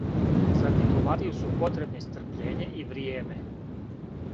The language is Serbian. За дипломатију су потребни стрпљење и вријеме.